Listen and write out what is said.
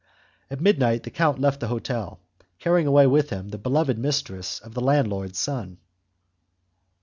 At midnight the count left the hotel, carrying away with him the beloved mistress of the landlord's son.